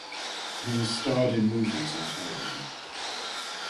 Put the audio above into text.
He has starred in movies and on television.